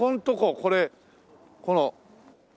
これこの。